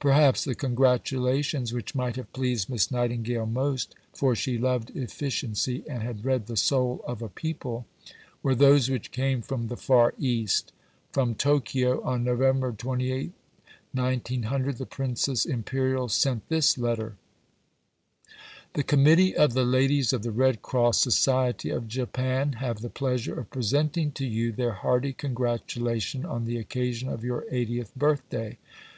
Perhaps the congratulations which might have pleased Miss Nightingale most for she loved efficiency and had read The Soul of a People were those which came from the Far East. From Tokio, on November 28, 1900, the Princess Imperial sent this letter: "The Committee of the Ladies of the Red Cross Society of Japan have the pleasure of presenting to you their hearty congratulation on the occasion of your 80th birthday.